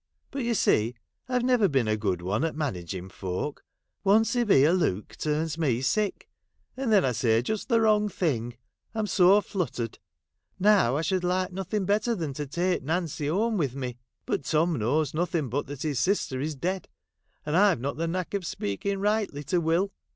But you see I've never been a good one at managing folk ; one severe look turns me sick, and then I say just the wrong thing, I 'm so fluttered. Now I should like nothing better than to take Nancy home with me, but Tom knows nothing but that his sister is dead, and I 've not the knack of speaking rightly to Will.